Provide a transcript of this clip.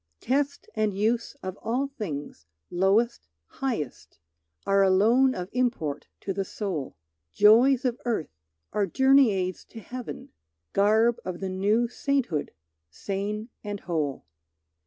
Test and use of all things, lowest, highest, Are alone of import to the soul; Joys of earth are journey aids to heaven, Garb of the new sainthood sane and whole.